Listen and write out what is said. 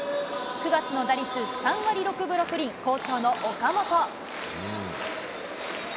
９月の打率３割６分６厘、好調の岡本。